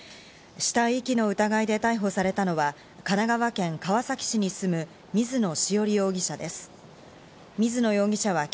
死体遺棄の疑いで逮捕されたのは、神奈川県川崎市に住む、水野潮理容疑者です。